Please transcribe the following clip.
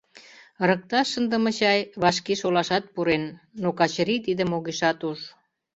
Ырыкташ шындыме чай вашке шолашат пурен, но Качырий тидым огешат уж.